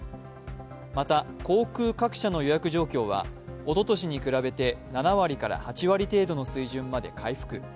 また、航空各社の予約状況はおととしに比べて７割から８割程度の水準まで回復。